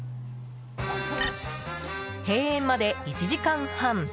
閉園まで１時間半。